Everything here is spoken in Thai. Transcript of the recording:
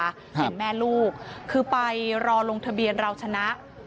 เห็นแม่ลูกคือไปรอลงทะเบียนเราชนะ